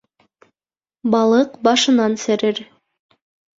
Балыҡ башынан серер.